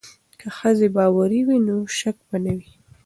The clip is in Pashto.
که ښځې باوري وي نو شک به نه وي.